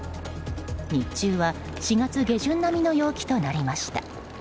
日中は４月下旬並みの陽気となりました。